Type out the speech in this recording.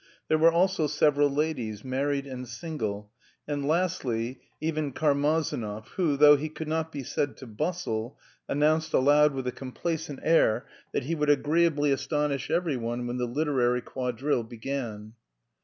There were also several ladies, married and single, and lastly, even Karmazinov who, though he could not be said to bustle, announced aloud with a complacent air that he would agreeably astonish every one when the literary quadrille began.